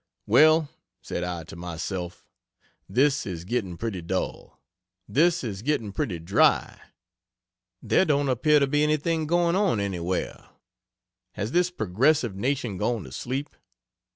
Well, said I to myself this is getting pretty dull; this is getting pretty dry; there don't appear to be anything going on anywhere; has this progressive nation gone to sleep?